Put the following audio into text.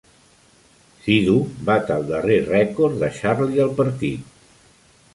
Siddhu bat el darrer rècord de Charlie al partit.